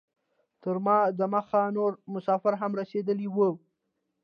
تر ما دمخه نور مسافر هم رسیدلي وو.